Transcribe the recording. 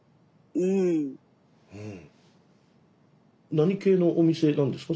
何系のお店なんですか？